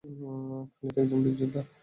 খালিদ একজন বীর যোদ্ধা।